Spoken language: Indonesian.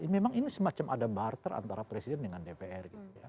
memang ini semacam ada barter antara presiden dengan dpr